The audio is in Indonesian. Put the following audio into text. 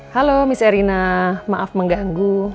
halo mas erina maaf mengganggu